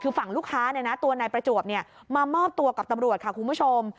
คือฝั่งลูกค้าตัวนายประจวบมามอบตัวกับตำรวจค่ะคุณผู้ชม